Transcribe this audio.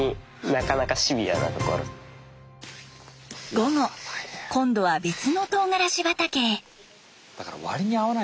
午後今度は別のとうがらし畑へ。